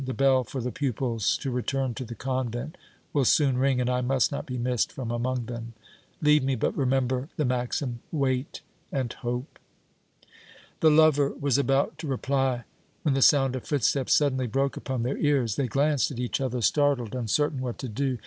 The bell for the pupils to return to the convent will soon ring and I must not be missed from among them. Leave me, but remember the maxim, 'Wait and hope!'" The lover was about to reply when the sound of footsteps suddenly broke upon their ears. They glanced at each other, startled, uncertain what to do.